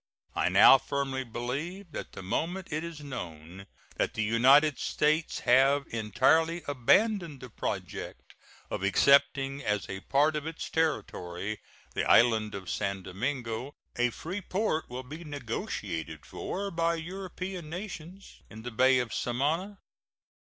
I now firmly believe that the moment it is known that the United States have entirely abandoned the project of accepting as a part of its territory the island of San Domingo a free port will be negotiated for by European nations in the Bay of Samana.